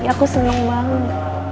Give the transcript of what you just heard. aku seneng banget